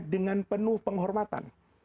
dengan penuh penghormatan